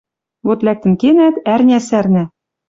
Вот лӓктӹн кенӓт, ӓрня сӓрнӓ.